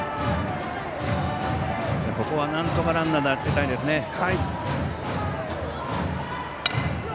ここはなんとかランナーを出したいですね。